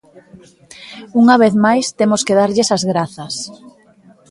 Unha vez máis temos que darlles as grazas.